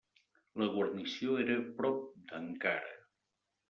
La guarnició era prop d'Ankara.